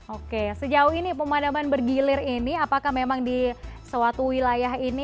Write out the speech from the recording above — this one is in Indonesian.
oke sejauh ini pemadaman bergilir ini apakah memang di suatu wilayah ini